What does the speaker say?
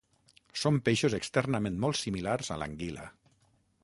Són peixos externament molt similars a l'anguila.